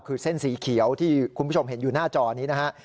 คือเส้นสีเขียวที่คุณผู้ชมเห็นอยู่หน้าจอนี้นะฮะ